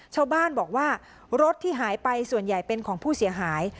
ชาวบ้านบอกว่ารถที่หายไปส่วนใหญ่เป็นของผู้เสียหาย